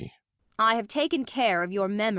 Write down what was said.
I have taken care of your memory.